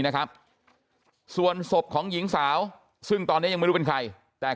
นะครับส่วนศพของหญิงสาวซึ่งตอนนี้ยังไม่รู้เป็นใครแต่